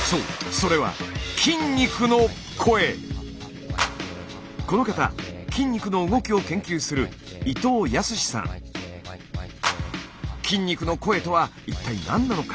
それはこの方筋肉の動きを研究する筋肉の声とは一体何なのか？